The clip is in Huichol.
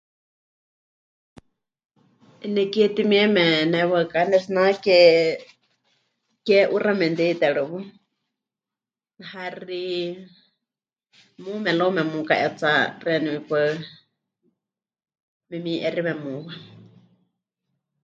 Nekie timieme newaɨká pɨnetsinake kee'uxa memɨte'itérɨwa, haxi, muume luego memuka'etsa, xeeníu 'ipaɨ memi'exime muuwa.